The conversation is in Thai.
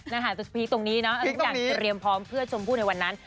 น่าหาผิดตรงนี้นะอยากเตรียมพร้อมเพื่อฉมพู่ในวันนั้น